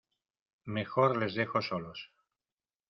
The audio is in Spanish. mejor les dejo solos.